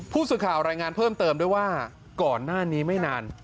ผู้สื่อข่าวรายงานเพิ่มเติมด้วยว่าก่อนหน้านี้ไม่นาน